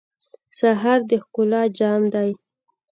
سهار د ښکلا جام دی.